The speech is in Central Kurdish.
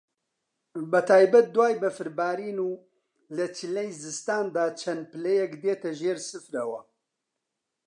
بە تایبەت دوای بەفربارین و لە چلەی زستان دا چەند پلەیەک دێتە ژێر سفرەوە